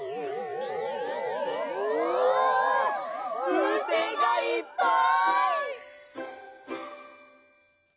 ふうせんがいっぱい！